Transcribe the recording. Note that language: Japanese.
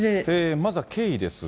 まずは経緯ですが。